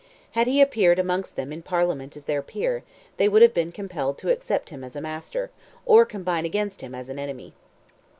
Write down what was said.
Had he appeared amongst them in Parliament as their peer, they would have been compelled to accept him as a master, or combine against him as an enemy.